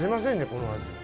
この味。